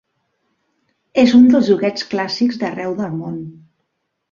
És un dels joguets clàssics d'arreu del món.